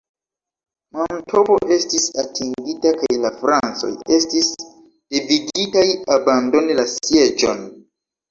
Mantovo estis atingita kaj la Francoj estis devigitaj abandoni la sieĝon.